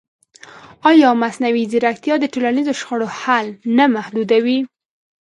ایا مصنوعي ځیرکتیا د ټولنیزو شخړو حل نه محدودوي؟